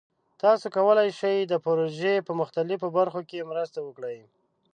تاسو کولی شئ د پروژې په مختلفو برخو کې مرسته وکړئ.